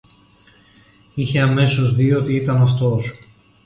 Είχε αμέσως δει ότι ήταν αυτός.